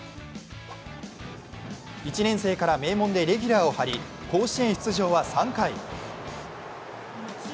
１年生から名門でレギュラーを張り、甲子園出場は３回。